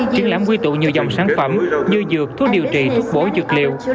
triển lãm quy tụ nhiều dòng sản phẩm như dược thuốc điều trị thuốc bổ dược liệu